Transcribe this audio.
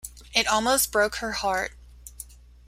It almost broke her heart.